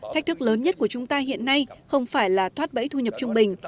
thách thức lớn nhất của chúng ta hiện nay không phải là thoát bẫy thu nhập trung bình